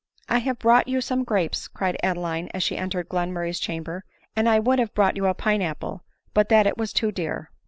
" I have brought you some grapes, " cried Adeline as she entered Glenmurr&y's chamber, " and I would have brought you a pine apple, but that it was too dear."